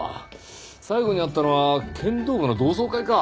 最後に会ったのは剣道部の同窓会か？